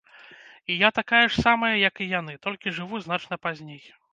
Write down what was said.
І я такая ж самая, як і яны, толькі жыву значна пазней.